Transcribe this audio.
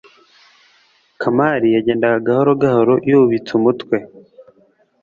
kamari yagendaga gahoro gahoro yubitse umutwe